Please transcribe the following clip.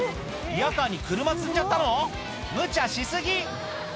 リヤカーに車積んじゃったの⁉むちゃし過ぎ！